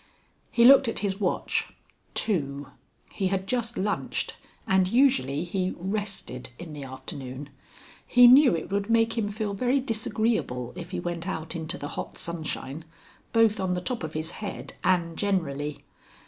He looked at his watch two. He had just lunched, and usually he "rested" in the afternoon. He knew it would make him feel very disagreeable if he went out into the hot sunshine both on the top of his head and generally.